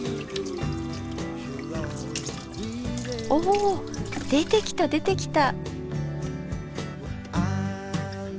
お出てきた出てきた。